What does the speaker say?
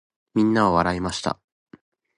皆は笑いました。